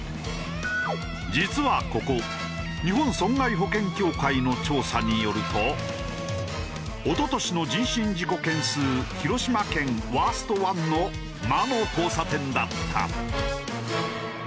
実はここ日本損害保険協会の調査によると一昨年の人身事故件数広島県ワースト１の魔の交差点だった。